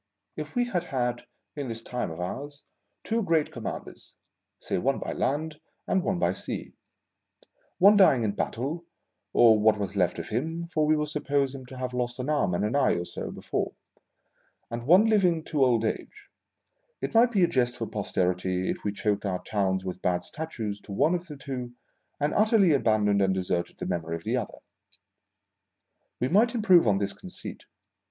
If we had had, in this time of ours, two great commanders — say one by land and one by sea ; one dying in battle (or what was left of him, for we will suppose him to have lost an arm and an eye or so before), and one living to old age — it might be a jest for Posterity if we choked our towns with bad Statues to one of the two, and utterly abandoned and deserted the memory of the other. "We might improve on this conceit.